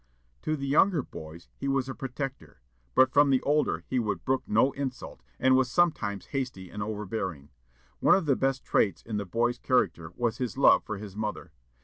To the younger boys he was a protector, but from the older he would brook no insult, and was sometimes hasty and overbearing. One of the best traits in the boy's character was his love for his mother.